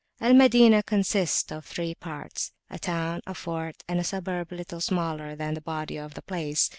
Al Madinah consists of three parts, a town, a fort, and a suburb little smaller than the body of the place.